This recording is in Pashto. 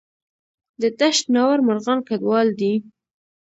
د دشت ناور مرغان کډوال دي